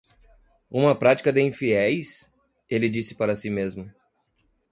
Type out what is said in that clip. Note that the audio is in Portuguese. "Uma prática de infiéis?" ele disse para si mesmo.